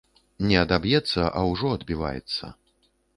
Не адаб'ецца, а ўжо адбіваецца.